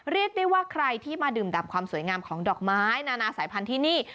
เรียกได้ว่าใครที่มาดื่มดำความสวยงามของดอกไม้นานาสายพันธุ์ที่นี่